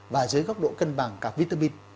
và dưới các độ cân bằng cả vitamin